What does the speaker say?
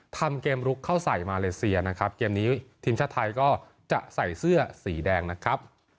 ทำเกมลุกเข้าใส่มาเลเซียนะครับเกมนี้ทีมชาติไทยก็จะใส่เสื้อสีแดงนะครับ